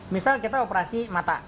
misal kita operasi mata